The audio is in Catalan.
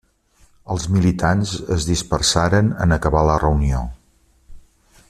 Els militants es dispersaren en acabar la reunió.